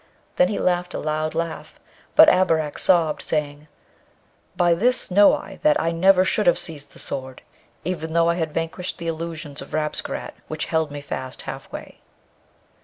Then he laughed a loud laugh, but Abarak sobbed, saying, 'By this know I that I never should have seized the Sword, even though I had vanquished the illusions of Rabesqurat, which held me fast half way.'